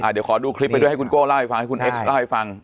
เดี๋ยวขอดูคลิปไปด้วยให้คุณโก้เล่าให้ฟังให้คุณเอ็กซ์เล่าให้ฟัง